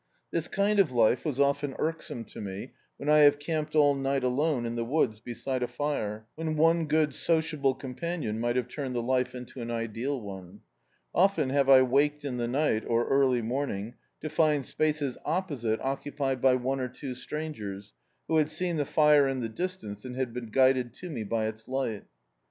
This kind of life was often irksome to me, when I have camped all night alone in the woods, beside a fire, when one good sociable com panion mi^t have turned the life into an ideal one. Often have I waked in the night, or early morning, to find spaces opposite occupied by one or two stran gers, who had seen the fire in the distance, and had been guided to me by its li^t.